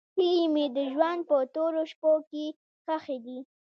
هیلې مې د ژوند په تورو شپو کې ښخې دي.